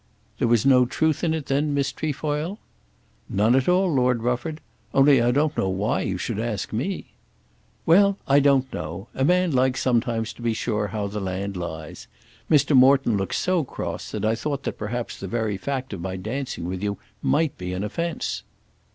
"There was no truth in it then, Miss Trefoil?" "None at all, Lord Rufford. Only I don't know why you should ask me." "Well; I don't know. A man likes sometimes to be sure how the land lies. Mr. Morton looks so cross that I thought that perhaps the very fact of my dancing with you might be an offence."